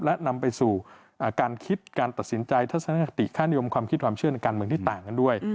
และนำไปสู่การคิดการตัดสินใจทัศนคติค่านิยมความคิดความเชื่อในการเมืองที่ต่างกันด้วย